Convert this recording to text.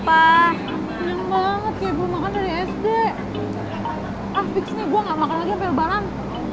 ah fix nih gue gak makan lagi sampe lebaran